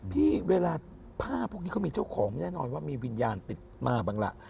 เวลาผ้าพวกนี้เขามีเจ้าของแน่นอนว่ามีวิญญาณติดมาบ้างล่ะ